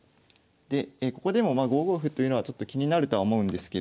でここでも５五歩というのはちょっと気になるとは思うんですけれども。